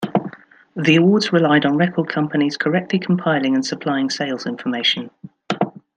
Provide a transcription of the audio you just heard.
The awards relied on record companies correctly compiling and supplying sales information.